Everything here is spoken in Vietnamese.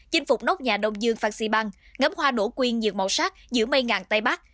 chinh phục nốt nhà đông dương phan xì băng ngắm hoa nổ quyên nhiều màu sắc giữa mây ngàn tây bắc